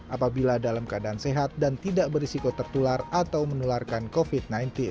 apabila dalam keadaan sehat dan tidak berisiko tertular atau menularkan covid sembilan belas